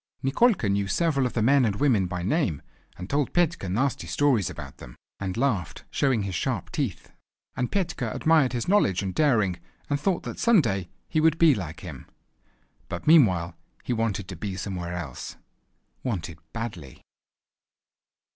Nikolka knew several of the men and women by name, and told Petka nasty stories about them, and laughed showing his sharp teeth. And Petka admired his knowledge and daring, and thought that some day he would be like him. But meanwhile he wanted to be somewhere else. Wanted badly!